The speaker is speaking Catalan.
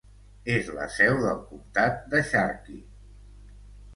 És la seu del comtat de Sharkey.